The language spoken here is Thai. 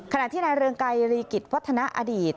ขณะที่นายเรืองไกรรีกิจวัฒนาอดีต